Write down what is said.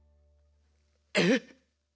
えっ？